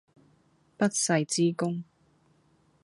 不世之功